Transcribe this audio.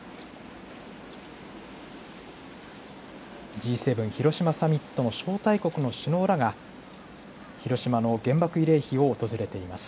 Ｇ７広島サミットの招待国の首脳らが広島の原爆慰霊碑を訪れています。